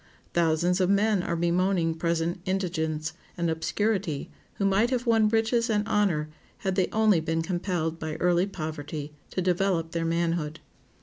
Thousands of men are bemoaning present indigence and obscurity who might have won riches and honor had they only been compelled by early poverty to develop their manhood.